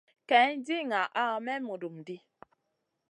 Kay di ŋaha may mudum ɗi.